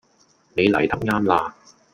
你黎得岩啦